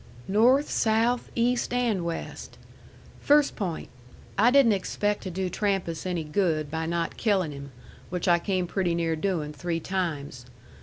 "North, south, east, and west. First point. I didn't expect to do Trampas any good by not killin' him, which I came pretty near doin' three times.